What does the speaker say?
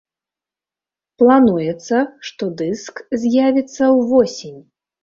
Плануецца, што дыск з'явіцца ўвосень.